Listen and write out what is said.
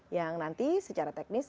yang nanti secara teknis